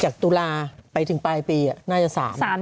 จากตุลาไปถึงปลายปีน่าจะ๓วัน